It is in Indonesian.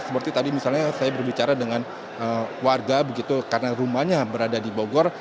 seperti tadi misalnya saya berbicara dengan warga begitu karena rumahnya berada di bogor